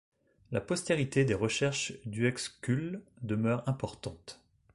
La postérité des recherches d'Uexküll demeure importante.